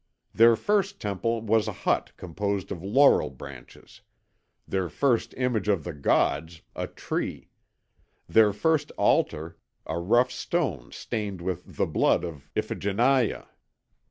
Their first temple was a hut composed of laurel branches; their first image of the gods, a tree; their first altar, a rough stone stained with the blood of Iphigenia.